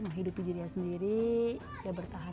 menghidupi diri sendiri ya bertahan